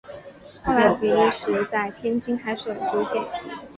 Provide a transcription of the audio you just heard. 后来比利时在天津开设了租界。